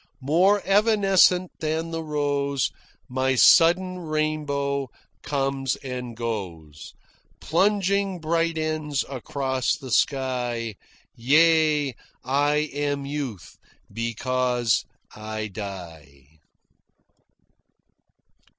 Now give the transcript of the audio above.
More evanescent than the rose My sudden rainbow comes and goes, Plunging bright ends across the sky Yea, I am Youth because I die!'"